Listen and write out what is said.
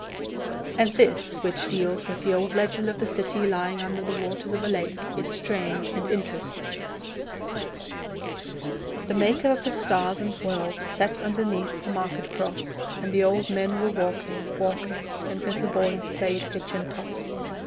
And this, which deals with the old legend of the city lying under the waters of a lake, is strange and interesting: The maker of the stars and worlds Sat underneath the market cross, And the old men were walking, walking, And little boys played pitch and toss.